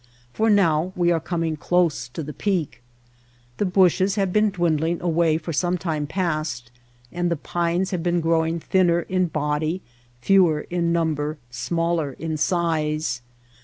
For now we are coming close to the peak. The bushes have been dwindling away for some time past, and the pines have been growing thinner in body, fewer in number, smaller in size.